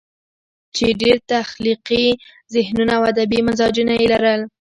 چې ډېر تخليقي ذهنونه او ادبي مزاجونه ئې لرل